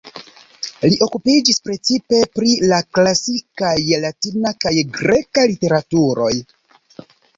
Li okupiĝis precipe pri la klasikaj latina kaj greka literaturoj.